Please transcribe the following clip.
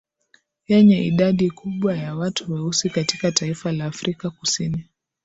Yenye idadi kubwa ya watu weusi katika taifa la Afrika Kusini